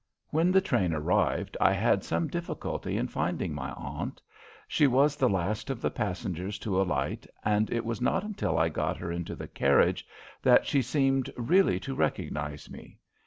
When the train arrived I had some difficulty in finding my aunt. She was the last of the passengers to alight, and it was not until I got her into the carriage that she seemed really to recognize me.